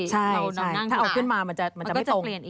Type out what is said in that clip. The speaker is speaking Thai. ใช่ถ้าเอาขึ้นมามันจะไม่ตรง